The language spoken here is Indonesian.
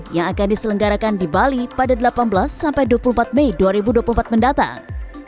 yang akan diselenggarakan di bali pada delapan belas sampai dua puluh empat mei dua ribu dua puluh empat mendatang